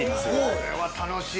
◆これは楽しい。